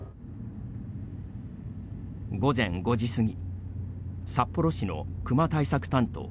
午前５時過ぎ札幌市の熊対策担当